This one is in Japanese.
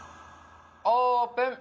オープン！